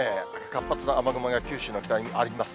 活発な雨雲が九州の北にあります。